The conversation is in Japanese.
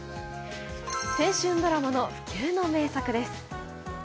青春ドラマの不朽の名作です。